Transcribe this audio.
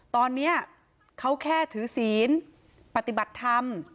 ตอนนี้เขาแค่ถือศีลปฏิบัติธรรม